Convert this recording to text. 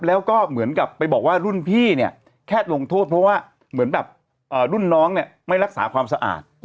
แล้วก็เหมือนกับไปบอกว่ารุ่นพี่เนี่ยแค่ลงโทษเพราะว่าเหมือนแบบรุ่นน้องเนี่ยไม่รักษาความสะอาด